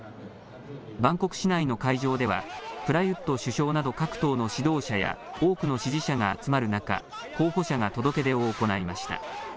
バンコク市内の会場では、プラユット首相など各党の指導者や多くの支持者が集まる中、候補者が届け出を行いました。